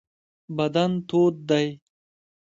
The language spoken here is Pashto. بدن تود دی.